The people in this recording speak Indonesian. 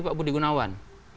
pak budi gunawan